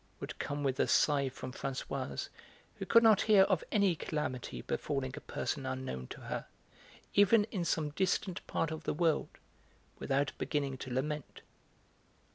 would come with a sigh from Françoise, who could not hear of any calamity befalling a person unknown to her, even in some distant part of the world, without beginning to lament.